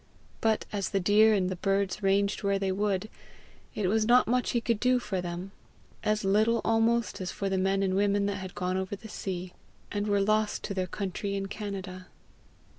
But as the deer and the birds ranged where they would, it was not much he could do for them as little almost as for the men and women that had gone over the sea, and were lost to their country in Canada.